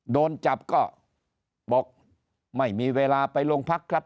โดนจับก็บอกไม่มีเวลาไปโรงพักครับ